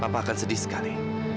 pasti papa akan sedih sekali